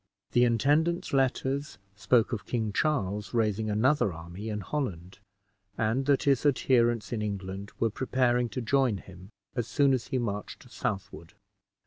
The intendant's letters spoke of King Charles raising another army in Holland, and that his adherents in England were preparing to join him as soon at he marched southward.